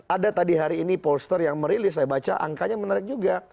ada tadi hari ini polster yang merilis saya baca angkanya menarik juga